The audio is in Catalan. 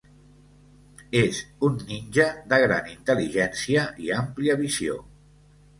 És un ninja de gran intel·ligència i àmplia visió.